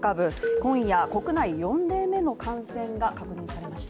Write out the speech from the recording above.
今夜、国内４例目の感染が確認されました。